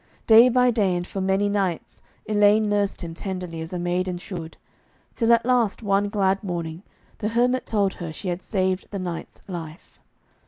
Day by day and for many nights Elaine nursed him tenderly as a maiden should, till at last one glad morning the hermit told her she had saved the knight's life.